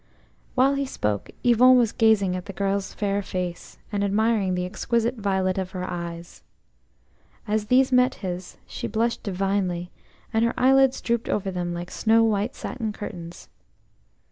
HILE he spoke, Yvon was gazing at the girl's fair face, and admiring the exquisite violet of her eyes. As these met his she blushed divinely, and her eyelids drooped over them like snow white satin curtains.